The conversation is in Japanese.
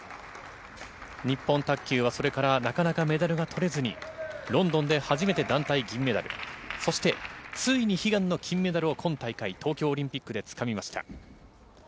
日本卓球はそれからなかなかメダルがとれずに、ロンドンで初めて団体銀メダル、そしてついに悲願の金メダルを今大会、東京オリンピックでつかみました。